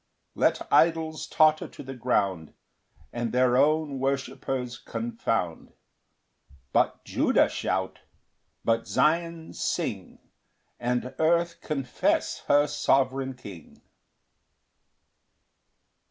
3 Let idols totter to the ground, And their own worshippers confound; But Judah shout, but Zion sing, And earth confess her sovereign King.